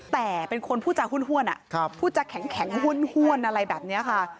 แต่เป็นคนผู้ใช้หุ้นพูดอย่างแข็งหุ้นอะไรแบบนี้ค่ะ